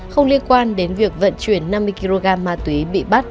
không liên quan đến việc vận chuyển năm mươi kg ma túy bị bắt